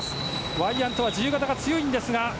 ワイヤントは自由形が強いんですが。